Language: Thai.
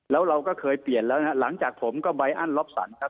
แล้วเราก็เคยเปลี่ยนแล้วนะครับหลังจากผมก็ใบอันล็อบสันครับ